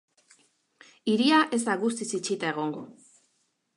Hiria ez da guztiz itxita egongo.